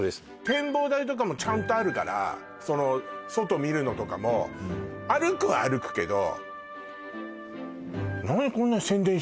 展望台とかもちゃんとあるからその外見るのとかも歩くは歩くけど